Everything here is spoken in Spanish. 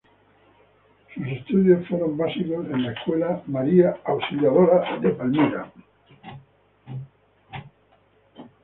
Sus estudios fueron básicos en la escuela María Auxiliadora de Palmira.